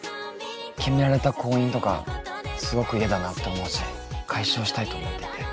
決められた婚姻とかすごく嫌だなって思うし解消したいと思っていて。